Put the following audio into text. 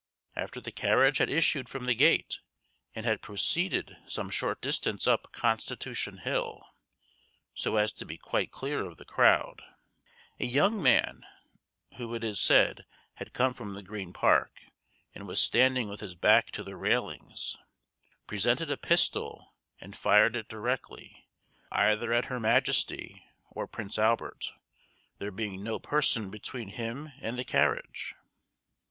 After the carriage had issued from the gate, and had proceeded some short distance up Constitution hill, so as to be quite clear of the crowd, a young man, who it is said had come from the Green park, and was standing with his back to the railings, presented a pistol and fired it directly, either at Her Majesty or Prince Albert, there being no person between him and the carriage.